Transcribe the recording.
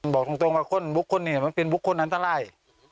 บอกตรงว่าคนบุคคลนี้มันเป็นบุคคลอันตราย